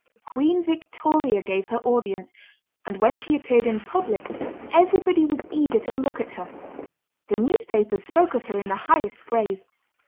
Queen Victoria gave her audience, and when she appeared in public, everybody was eager to look at her. The newspapers spoke of her in the highest praise.